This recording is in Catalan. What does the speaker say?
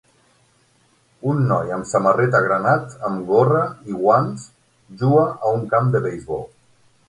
Un noi amb samarreta granat amb gorra i guants juga a un camp de beisbol.